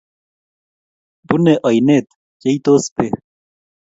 Bunei oinet, cheitos bek